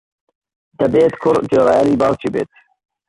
دەبێت کوڕ گوێڕایەڵی باوک بێت.